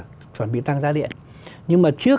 chuẩn bị tăng giá điện nhưng mà trước